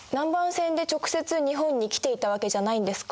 船で直接日本に来ていたわけじゃないんですか。